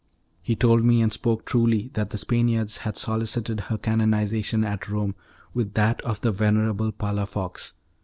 He told me, and spoke truly, that the Spaniards had solicited her canonization at Rome, with that of the venerable Palafox.